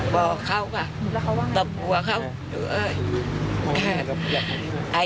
บอกเขากลับตอบหัวเขา